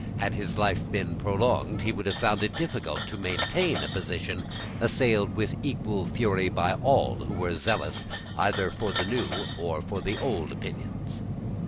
Had his life been prolonged, he would have found it difficult to maintain a position assailed with equal fury by all who were zealous either for the new or for the old opinions.